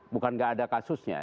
bukan gak ada kasusnya